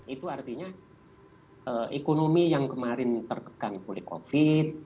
itu artinya ekonomi yang kemarin terkegang oleh kopi